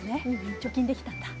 貯金できたんだ？